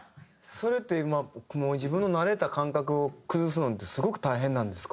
それって自分の慣れた感覚を崩すのってすごく大変なんですか？